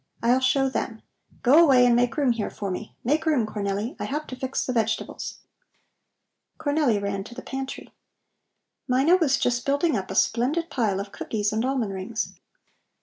I'll show them. Go away and make room here for me. Make room, Cornelli! I have to fix the vegetables." Cornelli ran to the pantry. Mina was just building up a splendid pile of cookies and almond rings.